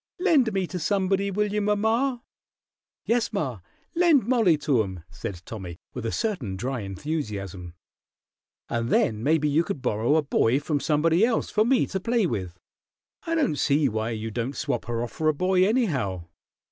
"Lend me to somebody, will you, mamma?" "Yes, ma, lend Mollie to 'em," said Tommy, with, a certain dry enthusiasm, "and then maybe you can borrow a boy from somebody else for me to play with. I don't see why you don't swap her off for a boy, anyhow.